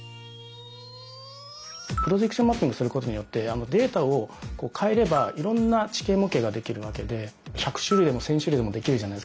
プロジェクションマッピングすることによってデータを変えればいろんな地形模型ができるわけで１００種類でも１，０００種類でもできるじゃないですか。